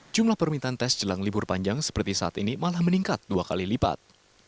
jumlah permintaan tes jelang libur panjang seperti saat ini malah meningkat dua kali lipat